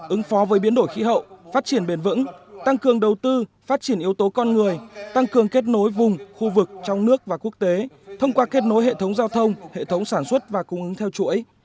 ứng phó với biến đổi khí hậu phát triển bền vững tăng cường đầu tư phát triển yếu tố con người tăng cường kết nối vùng khu vực trong nước và quốc tế thông qua kết nối hệ thống giao thông hệ thống sản xuất và cung ứng theo chuỗi